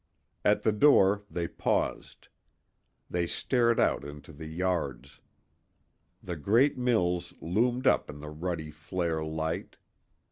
At the door they paused. They stared out into the yards. The great mills loomed up in the ruddy flare light.